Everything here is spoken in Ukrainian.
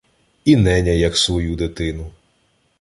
І неня як свою дитину